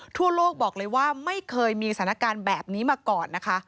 ทั่วโลกบอกเลยว่าไม่เคยมีสถานการณ์แบบนี้มาก่อนนะคะ